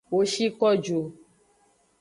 Wo shi ko ju.